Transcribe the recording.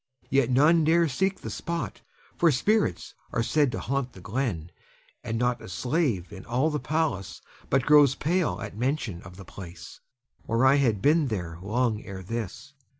Yet none dare seek the spot, for spirits are said to haunt the glen, and not a slave in all the palace but grows pale at mention of the place. I am old and feeble, or I had been there long ere this.